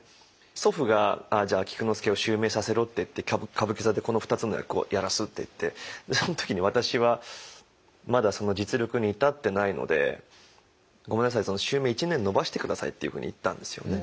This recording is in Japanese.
祖父がじゃあ菊之助を襲名させろって言って歌舞伎座でこの２つの役をやらすって言ってその時に私はまだその実力に至ってないので「ごめんなさいその襲名１年延ばして下さい」っていうふうに言ったんですよね。